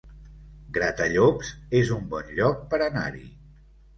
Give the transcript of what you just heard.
Gratallops es un bon lloc per anar-hi